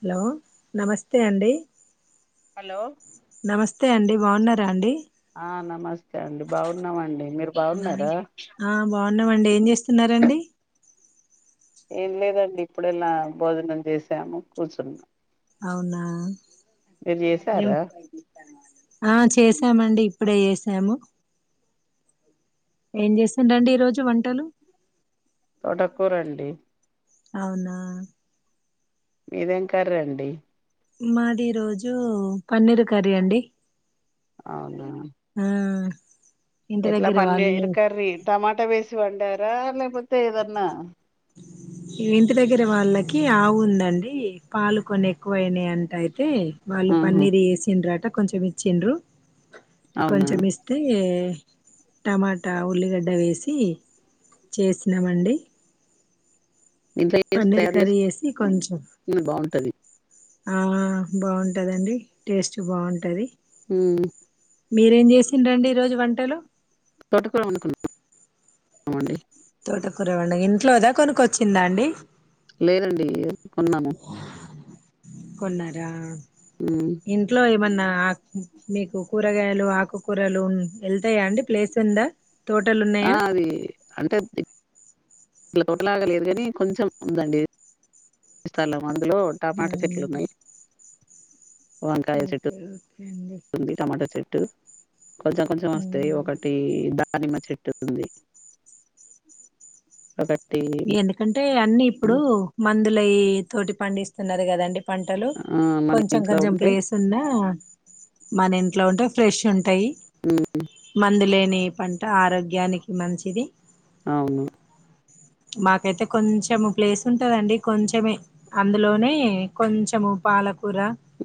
Hello నమస్తే అండి. Hello నమస్తే అండి బావున్నారా అండి. ఆ నమస్తే అండి బావున్నమండి, మీరు బావున్నారా అన్నం అండి ఏం జే సున్నారండి ఏం లేదండి ఇప్పుడెల్ల భోజనం చేసాము కూర్చున్న ఔనా చేసారా ఆ చేసామండి ఇప్పుడే ఏస్ ఏము ఏం చేస్సుర్రండి ఈ రోజు వంటలు తొటకూరండి. అవునా మీదేం కర్రి అండి. మాది ఇ రోజు పన్నీర్ కర్రీ అండి. అవునా ఆ ఇంటి ఎట్లా దగ్గర వాళ్ళు పన్నీరు కర్రీ టమాట వేసి వచ్చి వండార అ లేపోతే ఏదన్నా ఇంటి దగ్గర వాళ్ళకి ఆవుందండి పాలు కొన్ని ఎక్కువయినాయి అంట అయి అయితే వాళ్ళు ఆహా పన్నీర్ వేసిన్రాట కొంచెం ఇచ్చిండ్రు అవునా కొంచం ఇస్తే టమాటా, ఉల్లిగడ్డ వేసి చేస్నాంవండి. ఇంట్లో ఏస్ తయారు ఏస్, చేసి కొంచెం ఇన్ బావుంటది. ఆ బావుంటాదండి టేస్ట్ బావుంటది. ఉ మీరేం చేసింరండి ఈ రోజు వంటలు తోట కుర వంనుకున అమండి తొటకుర వండ ఇంట్లోదా కొనుకొచ్చిందా అండి. లేదండి కొన్నాము. కొన్నారా ఉమ్ ఇంట్లో ఎ ఏమన్నా ఆ మీకు కూరగాయలు, ఆకుకూరలు వెళ్తాయా అండి ప్లేస్ ఉందా తోటలు ఆ ఉన్నాయా అది అంటే ది ఇట్లా తోటలాగా లేదు కాని కొంచెం ఉందండి స్థలం అందులో టమాట చెట్లన్నాయ్ ఓకేే త టమాట చెట్ ట్టు కొంచెం కొంచెం వస్తయి అండి ఒకటి ద దానిమ్మ చెట్టు ఉంది ఒకట్ ఎందుకంటే అన్ని ఇప్పుడు మందు లే తోటి పండిస్తున్నారు కదండి పంటలు ఆ మన కొంచెం ఇంట్లో కొంచెం ఉంటే ప్లేస్ ఉన్న మన ఇంట్లో ఉంటే ఫ్రెష్ ఉంటు అ ఉమ్ మందులే న పంట ఆరోగ్యానికి మంచిది అవును మాకైతే కొంచెము ప్లేస్ ఉంటదండి కొంచమే అందులోనే కొంచెము పాలకు కూర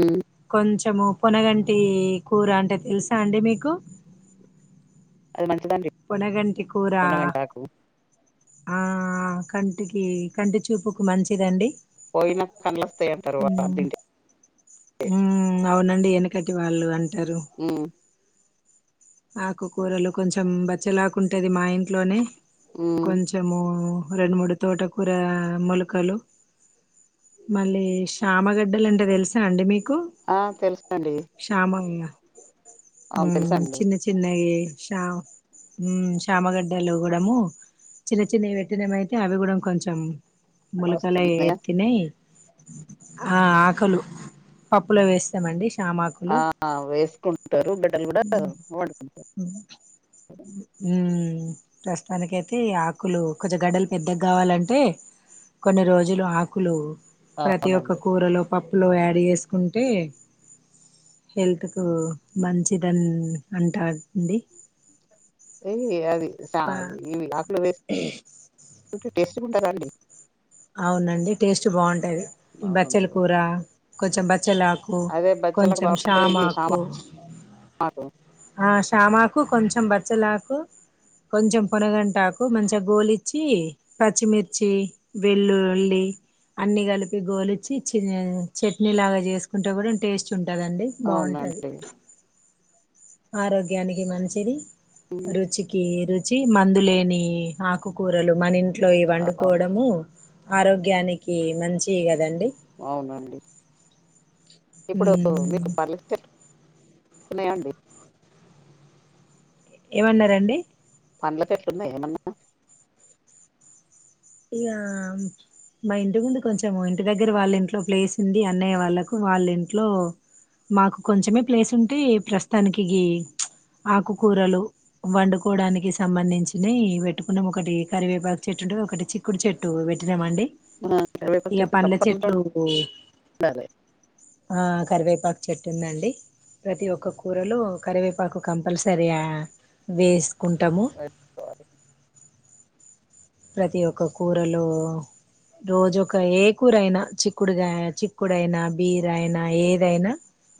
ఉమ్ కొంచ్ ము పొనగంటి కూర అంటే తెలుసా అండి మీకు అది మంచిదండి పొనగంటి కూరా పొనగంటాకు ఆ కంటికి కంటి చూపుకు మంచిదండి పోయినా కళ్లస్తాయింటారు వా మ్మ్ అ వెనకటి వాళ్ళు అంటారు ఆకుకూరలో కొంచెం కొంచెం బచ్చలాకుంటేది మా ఇంట్లోనే ఉమ్ కొంచెము రెండు మూడు తోటకూర మొలకలు మళ్ళీ శామగడ్డలుంటే తెలుసా అండి మీకు ఆ తెలుసుకోండి శ్యామ చిన్న చిన్నగ షా శామగడ్డలు కూడాము చిన్న చిన్నవి పెట్న అయితే అవి కూడా కొంచెం ములగాలా వస్తున్నాయా ఎతేన్నా ఆ ఆకలు పప్పులో వేస్తామండి శ్యామాకులు ఆ వేసుకుంటారు బిడ్డలు కూడా వాడుకుంటారు ఉ ప్రస్తుతాననికియితే ఆకులు కొంచె గడ్డలు పెద్దగా కావాలంటే కొన్ని రోజులు ఆకులు ప్రతి ఒక్క అవునండి కూరలో పప్పు లు యాడ్ చేసుకుంటే హెల్త్కు మంచిదని అంటారండి ఏయ్ అది స [inaudible] కుంటారాండి అవునండి టేస్ట్ బాగుంటాది బచ్చల బాగుంటది కూర కొంచెం బచ్చెలాకు అదే బచ్చలకు కొంచెం బాగుంటది ఇది ష్యామాకు సామా ఆకు ఆ ష్మ మాకు కొంచెం బచ్చలాకు కొంచెం పొనగంట టాకు మంచిగా గోల్ ఇచ్చి ఇ పచిమిర్చి వెల్లుల్లి అన్నిీ కలిపి గోలిచ్చి చట్నీ లాగా చేసుకుంటే కూడా టేస్ట్ ఉంటుంది కదండి బావుంటది అవునండి ఆరోగ్యానికి మంచిది హ్మ్. రుచికి రుచి మందులేని ఆకుకూరలు మన ఇంట్లో ఇ అవును. వండుకోవడము ఆరోగ్యానికి మంచి కదండి అవునండి ఇప్పుడు మీకు పర్ అండి ఏమన్నరండి పండ్ల పెట్ ఉన్నయ ఏమన్నా ఇక మా ఇంటి ముందు కొంచెం ఇంటి దగ్గర వాళ్ళ ఇంట్లో ప్లేస్ ఉంది అన్నయ్య వాళ్ళకు వాళ్ళ ఇంట్లో మాకు కొంచమే ప్లేస్ ఉంటే ప్రస్తుతానికి ఆకుకూరలు వండుకోడానికి సంబంధించిన పెట్టుకున్నాము ఒకటి కరివేపాకు చెట్టు ఉంటే ఒకటి కుడు చెెట్టు పెట్టినామండి మన కరివేపాకు ఇక చెట్టు పండ్ల తప్పకుండా చెట్లు ఉండాలి. ఆ కరివే పాకు చెట్టు ఉందండి ప్రతి ఒక్క కూరలు కరివేపాకు కంపల్సరీ వేస్ అది సాల [inaudible] ప్రతి ఒక్క కూరలో రోజుఒక ఏ కూర అయినా చిక్కుడుగాయ చిక్కుడైనా బీర అయినా ఏదైనా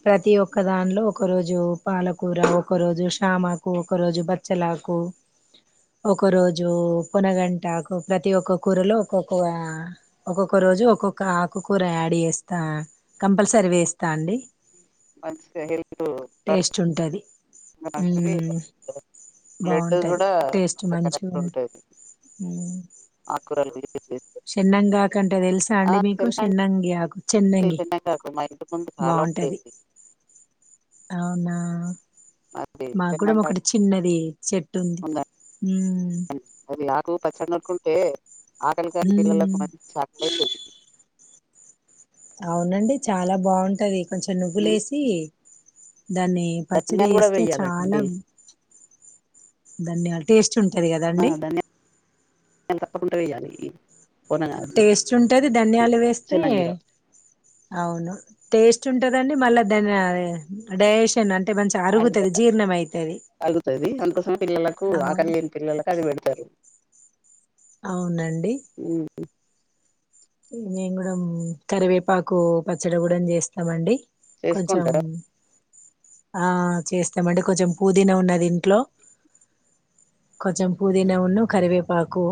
ప్రతి ఒక్క దానిలో ఒకరోజు పాలకూర ఒకరోజు శ్యామకు ఒకరోజు బచ్చలాకు ఒకరోజు పొనగంట ఆకు ప్రతి ఒక్క కూరలో ఒక్కొక్క ఒక్కొక్క రోజు ఒక్కొక్క ఆకుకూర యాడ్ చేస్తా కంపల్సరీ వేస్తా అండి మంచిదే హెల్త్ టేస్ట్ ఉంటది మంచిది మ్మ్ బ్లడ్ బాగుంటది కూడా కరెక్ట్ ఉంటది ఉ ఆకుకూరలు యూజ్ చేస్తే. చెెన్నంగా ఆకంటే తెల్సా ఆ అండి మీకు తెలుసా చెెన్నంగి ఆకు అండి చేన్నంగి చెన్నంగాకు మా ఇంటి ముందు చాలా బాగుంటది ఉండేది. అవునా అది మాకు కూడా ఒకటి చెన్నంగాకు చిన్నది చెట్టు ఉంది ఉందండి. మ్ ఏ ఆకలి గాని పిల్లలకు మంచి ఆకలి అయితది అవునండి చాలా బాగుంటది కొంచెం హ్మ్. నువ్వులేసి దాన్ని పచ్చడి ధనియాలు గూడా వేస్తే చాలా వేయాలండి. ధనియాలు టేస్ట్ ఉంటది అ కదండి ధనియాలు తప్పకుంట వేయాలి ఇ టేస్ట్ ఉంటది ధనియాలు వేస్తే చెన్నంగిలో అవును టేస్ట్ ట్టుదండి మళ్ళ ధనియాలు డైజెస్ట్ అరుగుతది అరుగుతది అందుకోసం పిల్లలకు అవు ఆకలి లేని పిల్లలకు అది పెడతారు అవునండి అ మేము గూడం కరివేపాకు పచ్చడి కూడా చేస్తాం అండి కొంచెం చేసుకుంటారా ఆ చేస్తాం అంటే కొంచ పుదీనా ఉన్నది ఇంట్లో కొంచెం పుదీనా వున్ను కరివేపాకు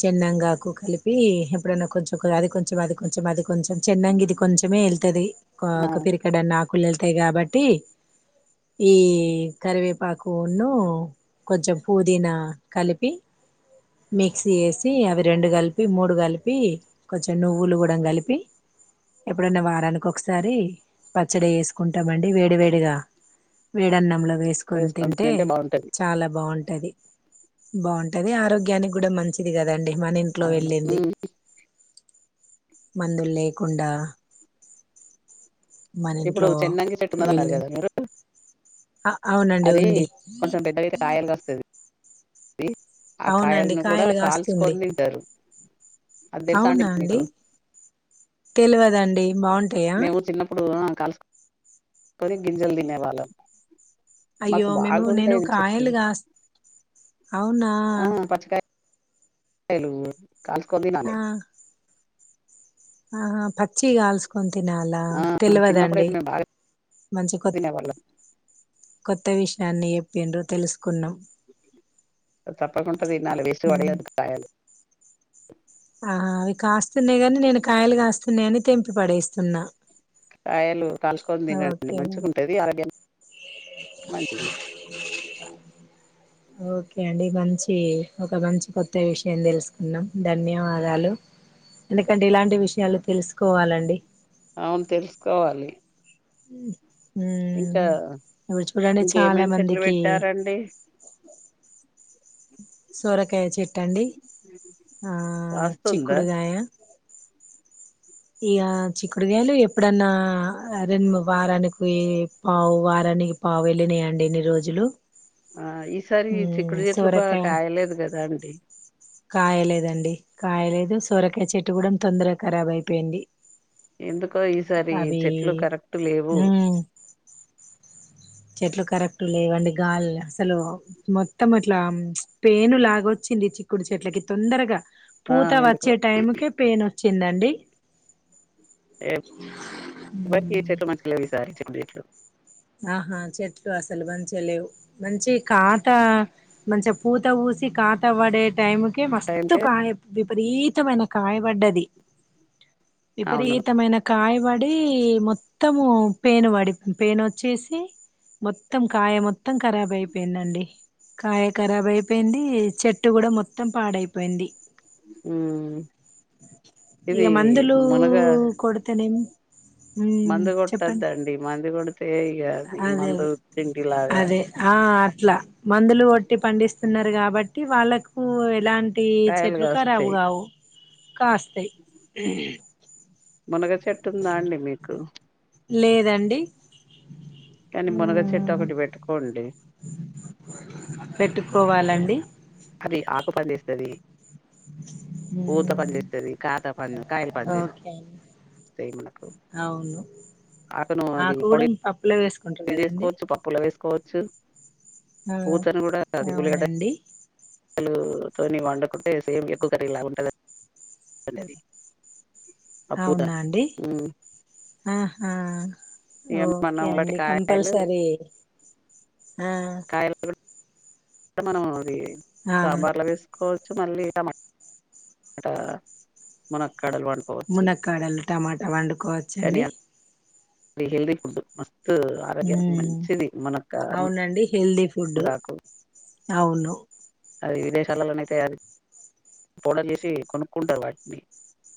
చెన్నంగి ఆకు కలిపి ఇప్పుడైన్న కొంచెం అది కొంచెం అది కొంచెం అది కొంచెం చిన్నంగా ఇది కొంచెమే వెళ్తుది ఒక ఆ ఒక పిడేకెడన్న ఆకు ళ్తాయి కాబట్టి ఈ కరివేపాకున్ను కొంచెం పుదీనా కలిపి మిక్సీ వేసి అవి రెండు కలిపి మూడు కలిపి కొంచెం నువ్వులు కూడా కలిపి ఎప్పుడన్న వారానికి ఒకసారి పచ్చడి వేసుకుంటామండి వేడి వేడిగా వేడన్నాంల వేసుకొని చేసుకొని తింటే బాగుంటది చాలా బాగుంటది. బాగుంటది ఆరోగ్య. బిరియానికి కూడా మంచిది కదాండి. మన ఇంట్లో అవును వెళ్ళింది. ఉమ్ మందులు లేకుండా మన ఇప్పుడు ఇంట్లో చెన్నంగి చెట్టు ఉన్నది అన్నారు వెళ్ళి కదా మీరు అవునండి అది ఉంది కొంచెం పెద్దగా అయితే కాయలు కాస్తది ఆ అవునండి కాయలను కూడా కాయలు కాస్తుంది కాల్చుకొని తింటారు అది తెలుసా అండి మీకు తెలియదండి బాగుంటాయా మేము చిన్నప్పుడు కాల్చు కొని గింజలు తినే వాళ్లం అయ్యో మేము నేను కాయలు కాస్త్ అవునా హలో కాల్చుకోని తినాలి. ఆ ఆహా పచ్చిగ కాల్స్ కొంతినాలా ఆ తెలివదండి. చిన్నప్పుడైతే మేము బాగా మంచిగ కొత్ తినేవాళ్ళం కొత్త విషయాన్ని. ఎండో తెలుసు. కున్నం అది నాదినల వేస్ట్ వాడేల కాయాలి. ఆహ్ అవి కాస్తున్నాయి గాని నేను కాయలు కాస్తున్నాయియని తెంపి పడేస్తున్నా. కాయలు కాలుసుకొని తినండి ఓకే మంచిగుంటది ఆరోగ్యం. ఓకే అండి బంత్ మంచి ఒక మంచి కొత్త విషయం తెలుసుకున్నాం ధన్యవాదాలు. ఎందుకంటే ఇలాంటి విషయాలు తెలుసుకోవాలండి. అవును తెలుసుకోవాలి. ఉమ్ ఉమ్ ఇంకా విడుచుపూడండి చాలా ఇంకేమేమి చెట్లు మందికి. పెట్టారండి సొరకాయ చెట్ టండి ఆహ్ కాస్తుందా చిక్కుడుగాయ. ఇక చిక్కుడుగాయలు ఎప్పుడన్నా రెండు వారానికి పావు వారానికి పావు ఏళ్ళినాయండి ఇన్ని రోజులు. ఆహ్ ఈసారి ఉమ్ చిక్కుడు చెట్లు బాగా సోరకాయ కాయలేదు కదా అండి. కాయలేదండి కాయలేదు సోరకాయ చెట్టు కూడా తొందరగా ఖరాబ్ అయిపోయింది. ఎందుకో ఈసారి అవి చెట్లు కరెక్ట్ లేవు. ఉమ్ చెట్లు కరెక్ట్ లేవండి. గాలి అసలు మొత్తం అట్లా ప్చ్ పెను లాగ వచ్చింది. చిక్కుడు చెట్లకి తొందరగా. ఆ పూత ఎందుకో వచ్చే టైంకి పెయిన్ వ చిందండి ఎప్ మాకి చెట్లు మంచిగ లేవు ఈసారి దేట్లా ఆహా చెట్లు అసలు మంచిగా లేవు మంచి ఖాతా మంచిగా పూత ఊసి ఖాతా పడే టైం. ఏం మస్తు టైంకే కాయ. విపరీతమైన కాయలు. పడ్డది అవును విపరీతమైన కాయలు. వాడి మొత్తము పెను వాడి పెను వచ్ కాసాయి మొత్తం కాయ మొత్తం ఖరాబ్ అయిపోయిందండి కాయ ఖరాబ్ అయిపోయింది చెట్టు కూడా మొత్తం పాడైపోయింది. ఉమ్ ఇక ఇది మందులు మునగ కొడతేనేమో. మందు కొట్టద్దండి మందు కొడితే ఇక అది అదే మందు తిండిలాగా అదే ఆ ఇట్లా మందులు కొట్టి పండిస్తున్నారు కాబట్టి వాళ్ళకు ఇలాంటి కాయలు చెట్లు ఖరాబు కాస్తాయి కావు కాస్తాయి మునగ చెట్టుందా అండి మీకు లేదండి కానీ మునగ చెట్టు ఉమ్ ఒకటి పెట్టుకోండి పెట్టుకోవాలండి అది ఆకు పండిస్తది పూత పని ఉమ్ చెత్తది కాత పని కాయలు పని చేస్ ఓకే అండి స్తాయి మనకు అవును ఆకు ను నువ్వు అది కూడా పొడి పప్పులో వేసుకుంటారు ట్నీ కదండి చేసుకోవచ్చు పప్పుల వే వేసుకోవచ్చు ఆ పూతను కూడా అది ఉల్లిగడ్డ అవునండి పలుతోని వడుకుంటే సేమ్ ఎగ్గు కర్రీ లాగా ఉంటది అండి అది ఆ పూత అవునా అండి ఆహా ఇగ ఓకే మనం వాటి అండి కాయలు కంపల్సరీ ఆ టె మనము అది ఆ సాంబార్ల వేసుకో చు మల్ళీ టమా ఆట మన మునక్కాడలు టమాటా వండుకోవచ్చండి ఇది హెల్తీ ఫుడ్ త్ ఆరోగ్యానికి ఉమ్ మంచిది మనక ఫుడ్డు అవును అది విదేశాలలోన అయితే అది పొడర్లు ఏసీ కొనుక్కుంటారు వాటిని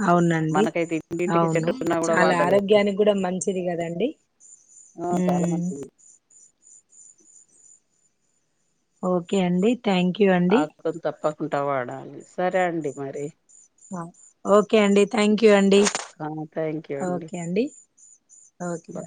అవునండి మనకైతే ఇంటింటికి అవును చెట్టు ఉన్నా కూడా చాలా వాడతలేరు ఆరోగ్యానికి కూడా మంచిది కదండి ఆ చాలా మ్మ్ మంచిది ఓకే అండి థ్యాంక్ యూ అండి ఉంట వాడాలి సరే అండి మరి ఆ ఓకే అండి థ్యాంక్ యూ అండి ఆ థ్యాంక్ యూ ఓకే అండి ఓకే బాయ్